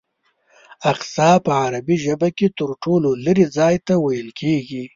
اقصی په عربي ژبه کې تر ټولو لرې ځای ته ویل کېږي.